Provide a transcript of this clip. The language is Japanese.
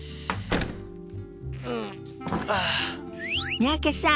三宅さん